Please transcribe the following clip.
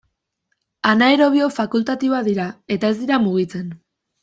Anaerobio fakultatiboak dira eta ez dira mugitzen.